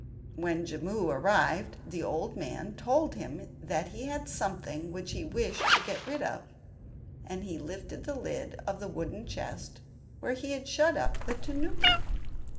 When Jimmu arrived, the old man told him that he had something which he wished to get rid of, and lifted the lid of the wooden chest, where he had shut up the tanuki.